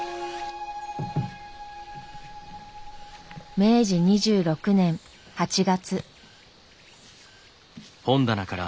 明治２６年８月。